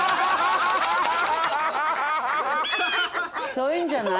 そういうんじゃない？